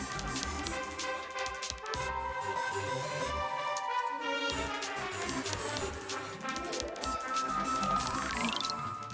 jangan dia iblis